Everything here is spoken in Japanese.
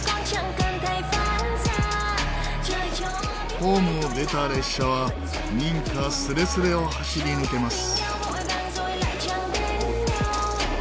ホームを出た列車は民家スレスレを走り抜けます。